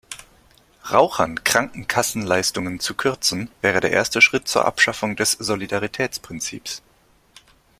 Rauchern Krankenkassenleistungen zu kürzen, wäre der erste Schritt zur Abschaffung des Solidaritätsprinzips.